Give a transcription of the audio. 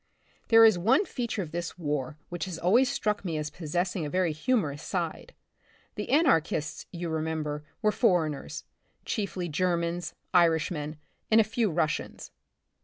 There is one feature of this war which has always struck me as possessing a very humor ous side. The anarchists, you remember, were foreigners, chiefly Germans, Irishmen and a few Russians.